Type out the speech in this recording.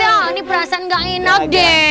ya ini perasaan gak enak deh